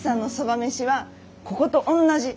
めしはこことおんなじ！